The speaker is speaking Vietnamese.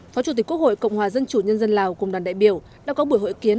phó chủ tịch quốc hội cộng hòa dân chủ nhân dân lào cùng đoàn đại biểu đã có buổi hội kiến